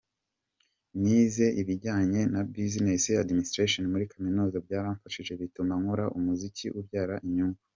Nize ibijyanye na Business Administration muri Kaminuza, byaramfashije bituma nkora umuziki ubyara inyungu.